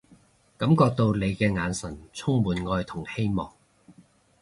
感覺到你嘅眼神充滿愛同希望